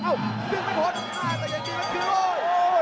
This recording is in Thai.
อย่างนี้มันคือโอ้ย